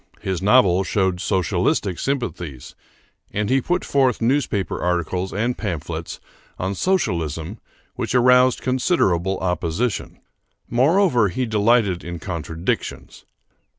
His novels showed socialistic sympathies, and he put forth newspaper articles and pamphlets on Socialism which aroused considerable opposition. Moreover, he delighted in contradictions.